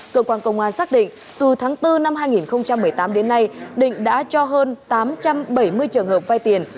cơ quan công an xác định từ tháng bốn năm hai nghìn một mươi tám đến nay định đã cho hơn tám trăm bảy mươi trường hợp vai tiền